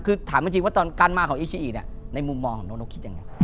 คือถามจริงว่าการมาของอีชีในมุมมองของโนโนคิดอย่างไร